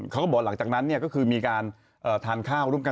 เขาก็บอกหลังจากนั้นก็คือมีการทานข้าวร่วมกัน